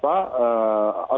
jadi akan lebih mendengarkan